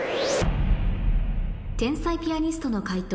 天才ピアニストの解答